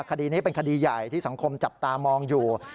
คดีนี้เป็นคดีใหญ่ที่สังคมจับตามองอยู่